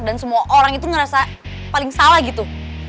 dan semua orang itu ngerasa paling salah gitu